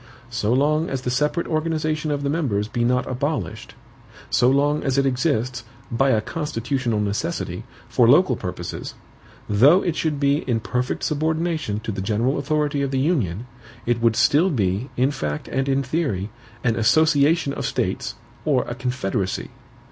So long as the separate organization of the members be not abolished; so long as it exists, by a constitutional necessity, for local purposes; though it should be in perfect subordination to the general authority of the union, it would still be, in fact and in theory, an association of states, or a confederacy.